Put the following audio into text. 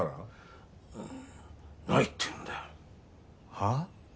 はあ？